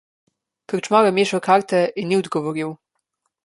Krčmar je mešal karte in ni odgovoril.